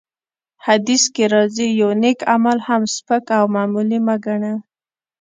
حديث کي راځي : يو نيک عمل هم سپک او معمولي مه ګڼه!